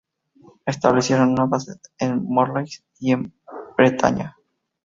Establecieron una base en Morlaix en Bretaña.